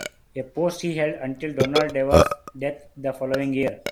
A post he held until Donald Dewar's death the following year.